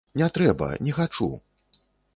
Не трэба, не хачу.